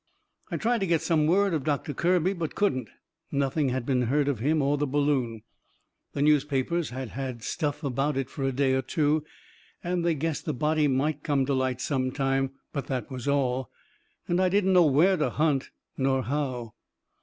I tried to get some word of Doctor Kirby, but couldn't. Nothing had been heard of him or the balloon. The newspapers had had stuff about it fur a day or two, and they guessed the body might come to light sometime. But that was all. And I didn't know where to hunt nor how.